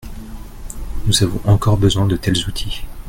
Nous avons encore besoin de tels outils.